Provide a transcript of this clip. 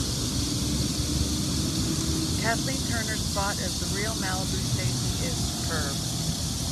Kathleen Turner's spot as the real Malibu Stacy is superb.